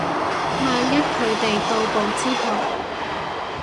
萬一佢哋到埗之後